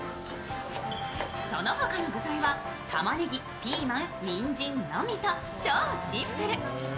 その他の具材はたまねぎ、ピーマン、にんじんのみと超シンプル。